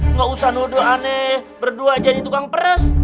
enggak usah noda aneh berdua jadi tukang peres